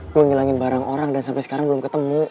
gue ngilangin barang orang dan sampai sekarang belum ketemu